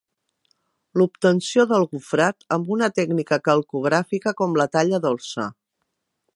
L’obtenció del gofrat amb una tècnica calcogràfica com la talla dolça.